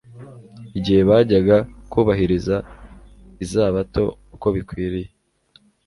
Igihe bajyaga kubahiriza Izabato uko bikwiriye